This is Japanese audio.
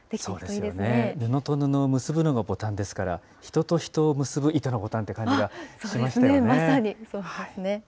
そうですね、布と布を結ぶのがボタンですから、人と人を結ぶ糸のボタンっていう感じがしましたよね。